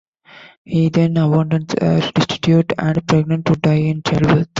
He then abandons her, destitute and pregnant, to die in childbirth.